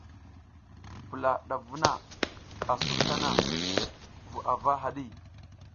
Pula ɗaf vuna a suf tana vu ava haɗi.